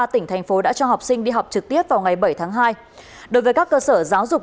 ba tỉnh thành phố đã cho học sinh đi học trực tiếp vào ngày bảy tháng hai đối với các cơ sở giáo dục